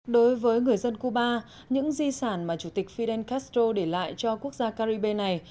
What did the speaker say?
đối với người dân cuba những di sản mà chủ tịch fidel castro để lại cho quốc gia caribe này